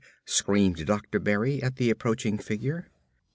screamed Dr. Berry at the approaching figure.